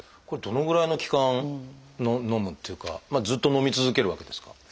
これどのぐらいの期間のむというかずっとのみ続けるわけですか？